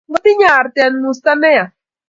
Ngotinye arte musto ne ya